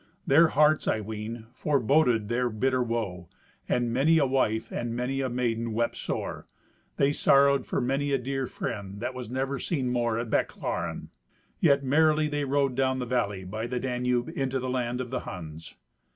Their hearts, I ween, foreboded their bitter woe, and many a wife and many a maiden wept sore. They sorrowed for many a dear friend that was never seen more at Bechlaren. Yet merrily they rode down the valley by the Danube into the land of the Huns.